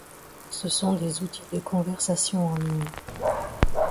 Ce sont des outils de conversation en ligne.